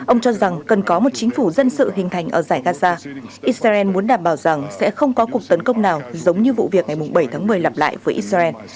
ông cho rằng cần có một chính phủ dân sự hình thành ở giải gaza israel muốn đảm bảo rằng sẽ không có cuộc tấn công nào giống như vụ việc ngày bảy tháng một mươi lặp lại với israel